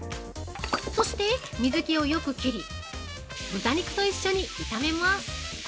そして、水気をよく切り豚肉と一緒に炒めます。